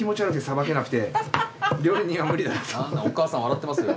でもお母さん笑ってますよ。